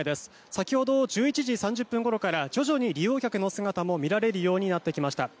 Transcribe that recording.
先ほど１１時３０分ごろから徐々に利用客の姿も見られるようになってきました。